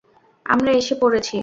আমরা এসে পড়েছি।